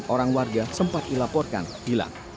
orang warga sempat dilaporkan hilang